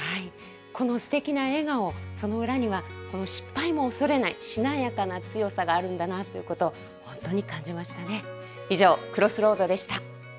このすてきな笑顔、その裏にはこの失敗も恐れない、しなやかな強さがあるんだなということを、本当に感じましたね。